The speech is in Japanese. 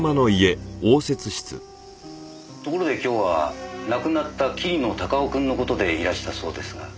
ところで今日は亡くなった桐野孝雄君の事でいらしたそうですが。